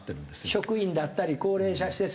職員だったり高齢者施設。